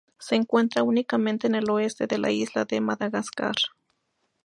Se encuentra únicamente en el oeste de las isla de Madagascar.